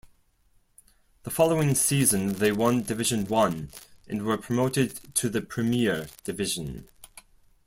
The following season they won Division One and were promoted to the Premier Division.